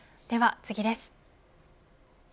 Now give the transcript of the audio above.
では次です。